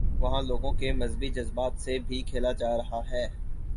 وہاں لوگوں کے مذہبی جذبات سے بھی کھیلاجا رہا ہے۔